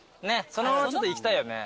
そのままちょっといきたいよね。